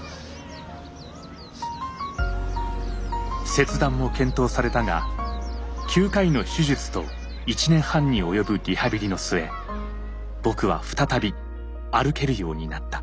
切断も検討されたが９回の手術と１年半に及ぶリハビリの末僕は再び歩けるようになった。